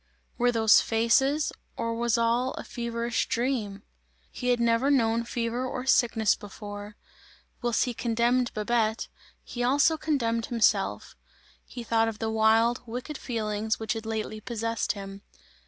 Were those faces, or was all a feverish dream? He had never known fever or sickness before. Whilst he condemned Babette, he also condemned himself. He thought of the wild, wicked feelings which had lately possessed him.